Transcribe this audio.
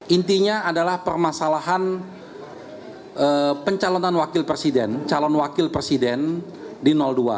intinya adalah permasalahan pencalonan wakil presiden calon wakil presiden di dua